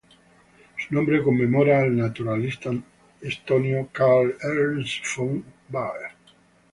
Su nombre conmemora al naturalista estonio Karl Ernst von Baer.